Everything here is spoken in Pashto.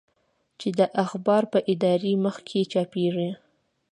چې د اخبار په اداري مخ کې چاپېږي.